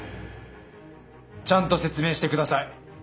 ちゃんと説明してください。